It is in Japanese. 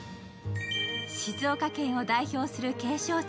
静岡県を代表する景勝地